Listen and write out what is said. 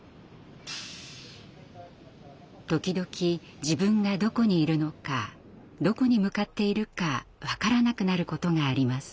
時々自分がどこにいるのかどこに向かっているか分からなくなることがあります。